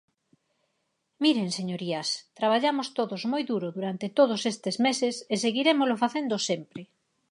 Miren, señorías, traballamos todos moi duro durante todos estes meses e seguirémolo facendo sempre.